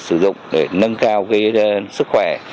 để sử dụng để nâng cao sức khỏe